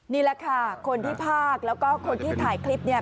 นี่แหละค่ะคนที่ภาคแล้วก็คนที่ถ่ายคลิปเนี่ย